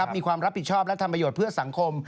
มีความรับผิดชอบและทำประโยชน์เพื่อสังคม